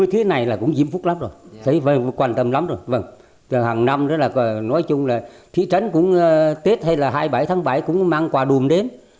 hàng năm đó là nói chung là thị trấn cũng tết hay là hai mươi bảy tháng bảy cũng mang quà đùm đến